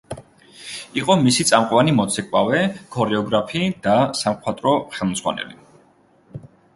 იყო მისი წამყვანი მოცეკვავე, ქორეოგრაფი და სამხატვრო ხელმძღვანელი.